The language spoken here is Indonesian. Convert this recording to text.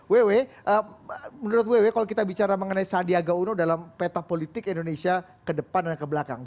ww menurut ww kalau kita bicara mengenai sandiaga uno dalam peta politik indonesia ke depan dan ke belakang